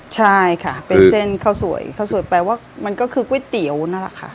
ใช่ค่ะเป็นเส้นข้าวสวยข้าวสวยแปลว่ามันก็คือก๋วยเตี๋ยวนั่นแหละค่ะ